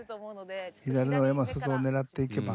左の山裾を狙っていけば。